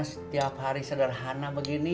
setiap hari sederhana begini